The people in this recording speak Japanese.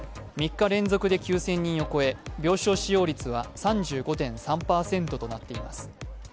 ３日連続で９０００人を超え、病床使用率は３５．３％となっています。